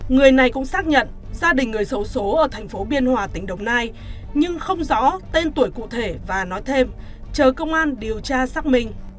người này cũng xác nhận gia đình người xấu xố ở thành phố biên hòa tỉnh đồng nai nhưng không rõ tên tuổi cụ thể và nói thêm chờ công an điều tra xác minh